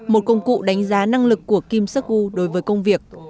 một công cụ đánh giá năng lực của kim seok u đối với công việc